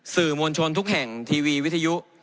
สื่อมวลชนทุกแห่งทีวีวิทยุ